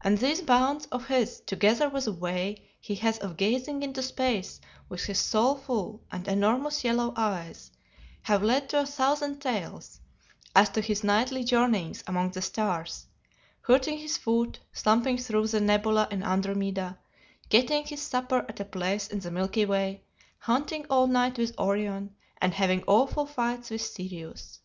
And these bounds of his, together with a way he has of gazing into space with his soulful and enormous yellow eyes, have led to a thousand tales as to his nightly journeyings among the stars; hurting his foot slumping through the nebula in Andromeda; getting his supper at a place in the milky way, hunting all night with Orion, and having awful fights with Sirius.